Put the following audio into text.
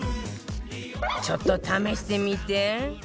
ちょっと試してみて